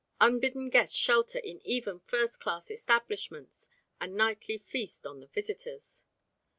Unbidden guests shelter in even first class establishments and nightly feast on the visitors.